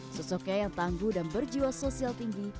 sosoknya yang tangguh dan berjiwa sosial tinggi